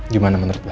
gimana menurut lo